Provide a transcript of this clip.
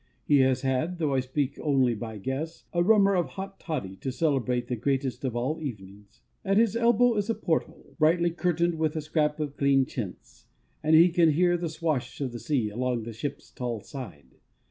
He has had (though I speak only by guess) a rummer of hot toddy to celebrate the greatest of all Evenings. At his elbow is a porthole, brightly curtained with a scrap of clean chintz, and he can hear the swash of the seas along his ship's tall side.